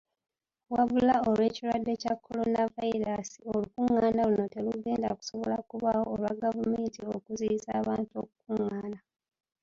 Wabula olw'ekirwadde kya Kolonavayiraasi, olukungaana luno terugenda kusobola kubaawo olwa gavumenti okuziyiza abantu okukungaana.